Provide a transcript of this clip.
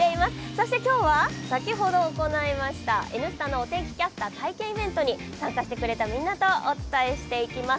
そして今日は先ほど行いました「Ｎスタ」のお天気キャスター体験イベントに参加してくれたみんなとお伝えしていきます。